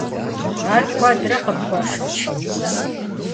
Ар куэдрэ къыпхуашэчынт?